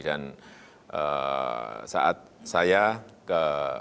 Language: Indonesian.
dan saat saya ke